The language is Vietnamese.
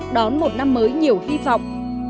đón một năm mới nhiều hy vọng